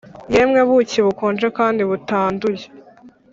yemwe buki bukonje kandi butanduye